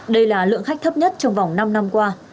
đây là lượng khách thấp nhất trong vòng năm năm qua